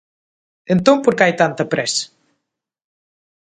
Entón, ¿por que hai tanta présa?